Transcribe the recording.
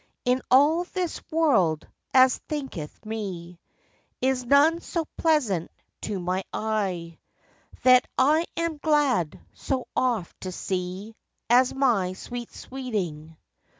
In all this world, as thinketh me, Is none so pleasant to my eye, That I am glad so oft to see As my sweet sweeting.